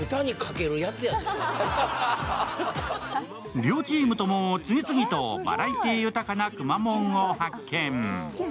両チームとも次々とバラエティー豊かなくまモンを発見。